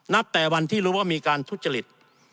แต่วันที่รู้ว่ามีการทุจริต